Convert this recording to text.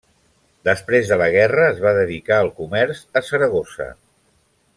Després de la guerra es va dedicar al comerç a Saragossa.